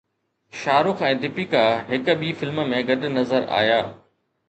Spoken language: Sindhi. شاهه رخ ۽ ديپيڪا هڪ ٻي فلم ۾ گڏ نظر آيا